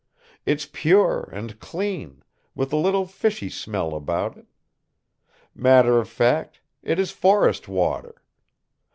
It's pure and clean, with a little fishy smell about it. Matter of fact, it is forest water!